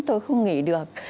tôi không nghỉ được